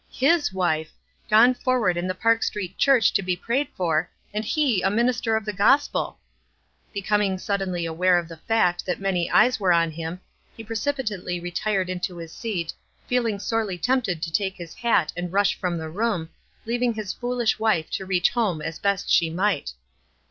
Ills wife ! gone forward in the Park Street Church to be prayed for, and he a minister of the gospel ! Becoming suddenly aware of the fact that many eyes were on him, he precipitately retired into his seat, feeling sorely tempted to take his hat and rush from the room, leaving his foolish wife to reach home as best she might.